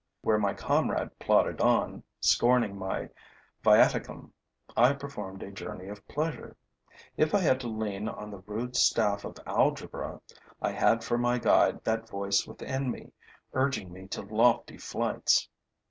Where my comrade plodded on, scorning my viaticum, I performed a journey of pleasure. If I had to lean on the rude staff of algebra, I had for my guide that voice within me, urging me to lofty flights.